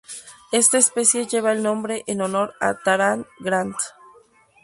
Esta especie lleva el nombre en honor a Taran Grant.